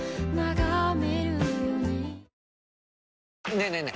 ねえねえ